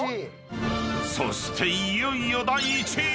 ［そしていよいよ第１位！］